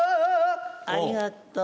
ありがとう。